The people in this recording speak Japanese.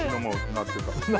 なってた！？